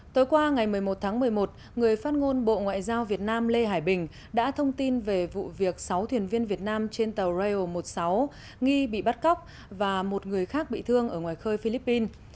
tối qua ngày một mươi một tháng một mươi một người phát ngôn bộ ngoại giao việt nam lê hải bình đã thông tin về vụ việc sáu thuyền viên việt nam trên tàu rao một mươi sáu nghi bị bắt cóc và một người khác bị thương ở ngoài khơi philippines